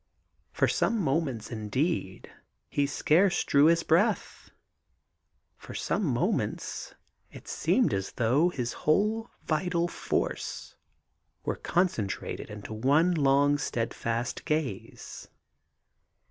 For some moments indeed he scarce drew his breath; for some moments it seemed as though his whole vital force were concentrated into one long steadfast gaze.